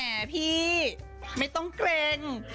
แหม่พี่ไม่ต้องเกรง